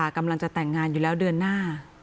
กำลังจะแต่งงานอยู่แล้วเดือนหน้า